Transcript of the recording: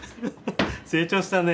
成長したね。